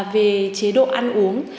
về chế độ ăn uống